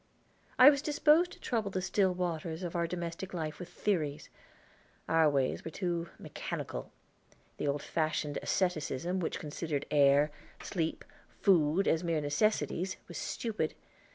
I was disposed to trouble the still waters of our domestic life with theories. Our ways were too mechanical. The old fashioned asceticism which considered air, sleep, food, as mere necessities was stupid.